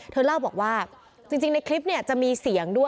เธอเล่าบอกว่าจริงในคลิปเนี่ยจะมีเสียงด้วย